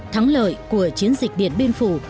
thắng lợi của chiến dịch điện biên phủ